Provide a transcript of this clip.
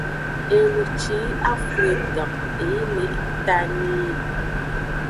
Enu ci yi a flu edan, e yi le eta nii.